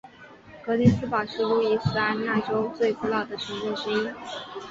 格林斯堡是路易斯安那州最古老的城镇之一。